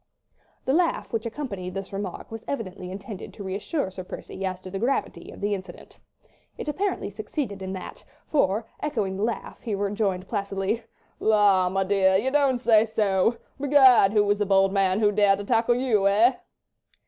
The laugh which accompanied this remark was evidently intended to reassure Sir Percy as to the gravity of the incident. It apparently succeeded in that, for, echoing the laugh, he rejoined placidly— "La, m'dear! you don't say so. Begad! who was the bold man who dared to tackle you—eh?"